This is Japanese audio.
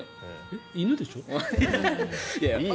犬でしょ？